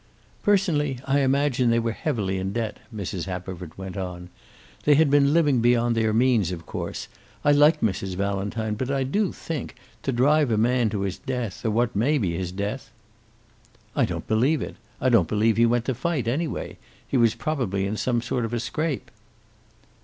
"Personally, I imagine they were heavily in debt," Mrs. Haverford went on. "They had been living beyond their means, of course. I like Mrs. Valentine, but I do think, to drive a man to his death, or what may be his death " "I don't believe it. I don't believe he went to fight, anyway. He was probably in some sort of a scrape."